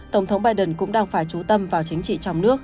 tổng thống biden cũng đang phải trú tâm vào chính trị trong nước